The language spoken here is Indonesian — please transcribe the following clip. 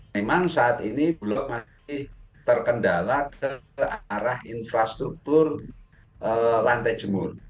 memang saat ini bulog masih terkendala ke arah infrastruktur lantai jemur